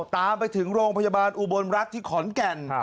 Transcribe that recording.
ตามไปถึงโรงพยาบาลอุบลรัฐที่ขอนแก่น